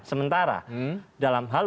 sementara dalam hal